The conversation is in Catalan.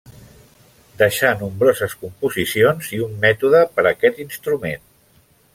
Deixà nombroses composicions i un mètode per aquest instrument.